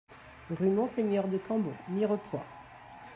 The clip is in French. Rue Monseigneur de Cambon, Mirepoix